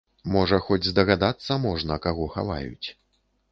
Можа хоць здагадацца можна, каго хаваюць.